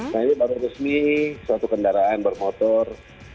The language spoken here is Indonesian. nah ini baru resmi suatu kendaraan bermotor